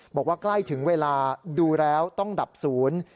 บอกว่าใกล้ถึงเวลาดูแล้วต้องดับศูนย์